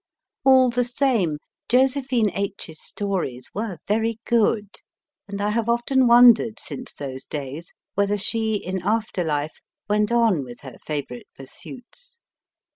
All the same, Josephine H s stories were very good, and I have often wondered since those days whether she, in after life, went on with her favourite pursuits.